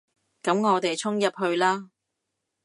噉我哋衝入去啦